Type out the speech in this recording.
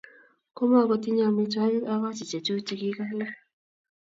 Komakotinnye amitwogik akochi chechuk che kikalaa.